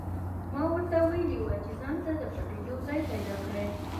ما ورته ویلي وو چې ځانته د پټېدو ځای پیدا کړي